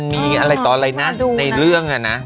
มีอะไรต่ออะไรนะในเรื่องอะนะ